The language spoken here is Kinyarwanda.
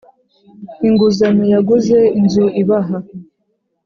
inguzanyo yaguze inzu ibaha